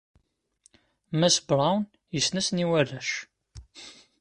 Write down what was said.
Mass Brown yessen-asen i warrac.